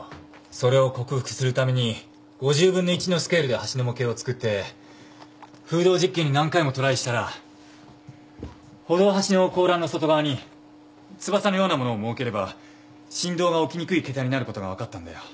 それを克服するために５０分の１のスケールで橋の模型を作って風洞実験に何回もトライしたら歩道端の高欄の外側に翼のような物を設ければ振動が起きにくいけたになることが分かったんだよ。